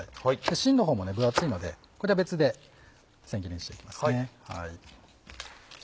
しんの方も分厚いのでこれは別で千切りにしていきます。